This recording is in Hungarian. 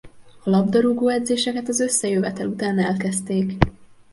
A labdarúgó edzéseket az összejövetel után elkezdték.